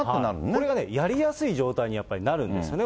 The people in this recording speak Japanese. これがね、やりやすい状態になるんですね。